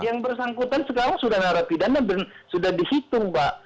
yang bersangkutan sekarang sudah narapi dana sudah dihitung pak